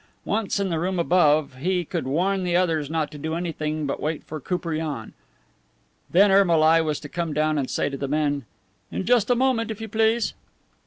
Once in the room above, he could warn the others not to do anything but wait for Koupriane; then Ermolai was to come down and say to the men, "In just a moment, if you please."